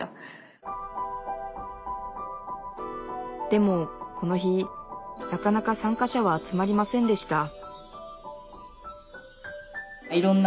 でもこの日なかなか参加者は集まりませんでした